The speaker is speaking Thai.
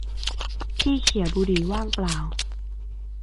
ที่เขี่ยบุหรี่ว่างเปล่า